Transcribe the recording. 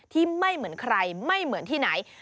ไม่เหมือนใครไม่เหมือนที่ไหน